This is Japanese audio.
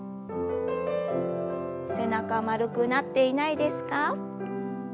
背中丸くなっていないですか？